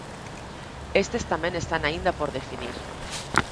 Estes tamén están aínda por definir.